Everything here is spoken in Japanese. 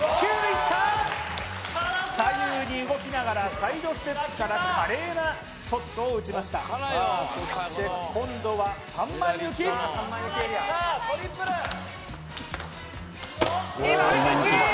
左右に動きながらサイドステップから華麗なショットを打ちました今度は３枚抜き２枚抜き！